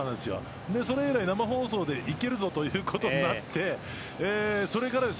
それ以来、生放送でいけるぞということになってそれからです。